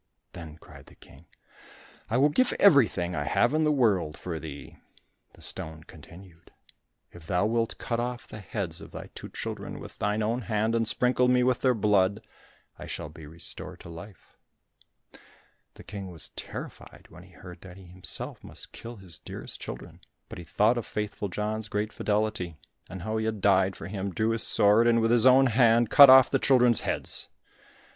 Then cried the King, "I will give everything I have in the world for thee." The stone continued, "If thou wilt will cut off the heads of thy two children with thine own hand, and sprinkle me with their blood, I shall be restored to life." The King was terrified when he heard that he himself must kill his dearest children, but he thought of faithful John's great fidelity, and how he had died for him, drew his sword, and with his own hand cut off the children's heads.